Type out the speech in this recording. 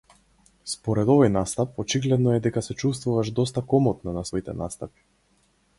Според овој настап очигледно е дека се чувствуваш доста комотно на своите настапи.